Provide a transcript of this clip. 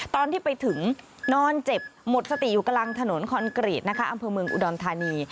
ตอนที่ไปถึงนอนเจ็บหมดสติอยู่กลางถนนคอนกรีตนะคะอำเภอเมืองอุดรธานี